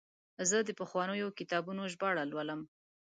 زه د پخوانیو کتابونو ژباړه لولم.